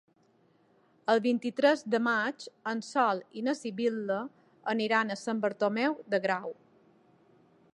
El vint-i-tres de maig en Sol i na Sibil·la aniran a Sant Bartomeu del Grau.